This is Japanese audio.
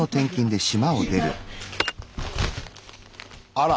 あら！